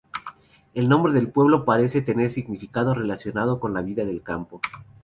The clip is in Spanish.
El nombre del pueblo parece tener un significado relacionado con la vida del campo.